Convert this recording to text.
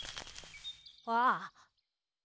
ああ。